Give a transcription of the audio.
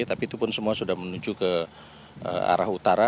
tapi itu pun semua sudah menuju ke arah utara